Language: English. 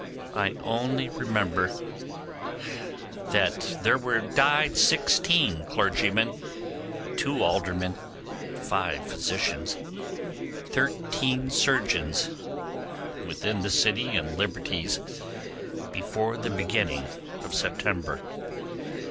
I only remember that there died sixteen clergymen, two aldermen, five physicians, thirteen surgeons, within the city and liberties before the beginning of September.